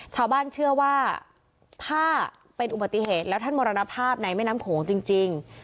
ชาวบ้านเชื่อว่าถ้าเป็นอุบัติเหตุแล้วท่านมรณภาพในแม่น้ำโขงจริง